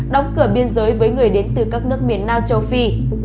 đóng cửa biên giới với người đến từ các nước miền nam châu phi